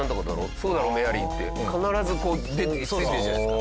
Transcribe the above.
「そうだねメアリー」って必ずこう出てるじゃないですか。